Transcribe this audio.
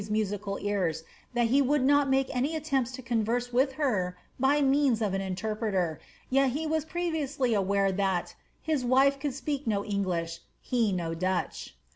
345 ing to Henry^s musical ears, that he would not make any attempts to cooTerae with her by means of an interpreter, yet he was previously aware that ^ hia wife could speak no English — he no Dutch."